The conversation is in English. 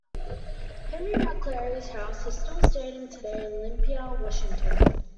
Henry McCleary's house is still standing today in Olympia, Washington.